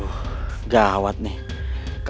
kasian juga kalau dado dihabisin sama mereka